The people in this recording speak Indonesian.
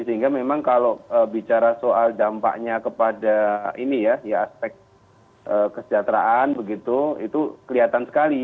sehingga memang kalau bicara soal dampaknya kepada ini ya aspek kesejahteraan begitu itu kelihatan sekali